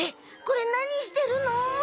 これなにしてるの？